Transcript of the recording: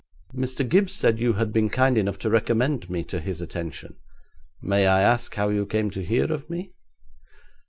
'Mr. Gibbes said you had been kind enough to recommend me to his attention. May I ask how you came to hear of me?'